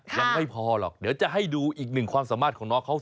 ยังไม่พอหรอกเดี๋ยวจะให้ดูอีกหนึ่งความสามารถของน้องเขา